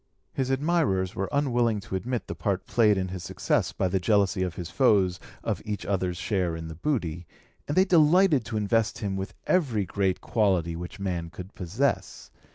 His admirers were unwilling to admit the part played in his success by the jealousy of his foes of each other's share in the booty, and they delighted to invest him with every great quality which man could possess.